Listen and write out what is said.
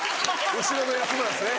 後ろの安村ですね。